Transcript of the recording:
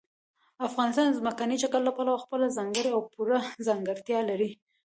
افغانستان د ځمکني شکل له پلوه خپله ځانګړې او پوره ځانګړتیا لري.